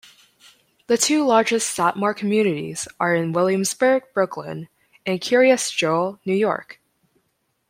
The two largest Satmar communities are in Williamsburg, Brooklyn, and Kiryas Joel, New York.